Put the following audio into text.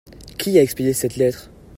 Qui a expédié cette lettre ?